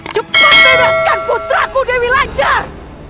cepat meraskan putraku dewi lanjar